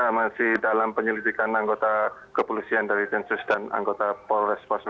saya masih dalam penyelidikan anggota kepolisian dari densus dan anggota pol